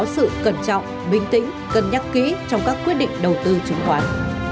sự cẩn trọng bình tĩnh cân nhắc kỹ trong các quyết định đầu tư chứng khoán